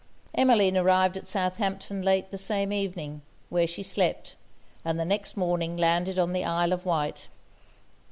Emmeline arrived at Southampton late the same evening, where she slept; and the next morning landed on the Isle of Wight.